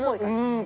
うん。